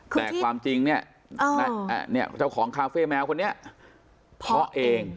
แต่ความจริงเนี่ยเจ้าของคาเฟ่แมวคนนี้เพาะเอง